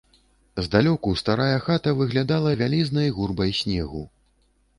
Здалёку старая хата выглядала вялізнай гурбай снегу.